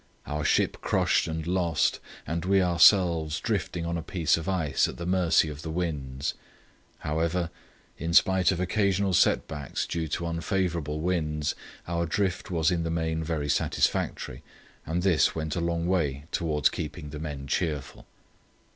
Our ship crushed and lost, and we ourselves drifting on a piece of ice at the mercy of the winds. However, in spite of occasional setbacks due to unfavourable winds, our drift was in the main very satisfactory, and this went a long way towards keeping the men cheerful.